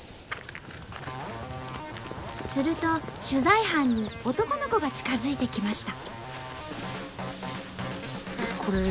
すると取材班に男の子が近づいてきました。